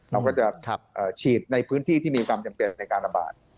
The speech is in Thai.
เราก็จะฉีดในพื้นที่ที่มีความจำเป็นในการระบาด